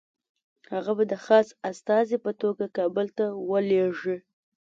هغه به د خاص استازي په توګه کابل ته ولېږي.